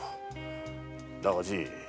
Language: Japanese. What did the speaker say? だがじい。